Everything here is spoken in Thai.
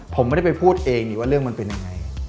ผมไม่ได้ไปพูดเองนี่ว่าเรื่องมันเป็นยังไง